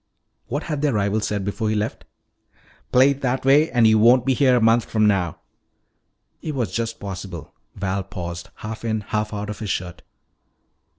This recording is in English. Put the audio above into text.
What had their rival said before he left? "Play it that way and you won't be here a month from now." It was just possible Val paused, half in, half out of, his shirt.